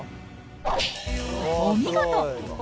お見事。